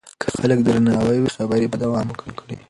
که خلک درناوی وکړي خبرې به دوام وکړي.